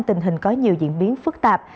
tình hình có nhiều diễn biến phức tạp